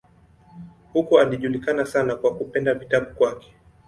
Huko alijulikana sana kwa kupenda vitabu kwake.